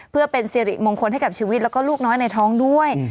เพื่อเป็นสิริมงคลให้กับชีวิตแล้วก็ลูกน้อยในท้องด้วย